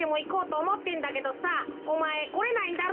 おまえこれないんだろ。